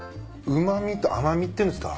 うま味と甘味っていうんですか？